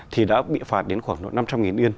thì đã bị phạt đến khoảng năm trăm linh yên